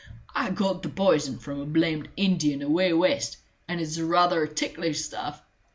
I got the poison from a blamed Indian away west, and it's ruther ticklish stuff.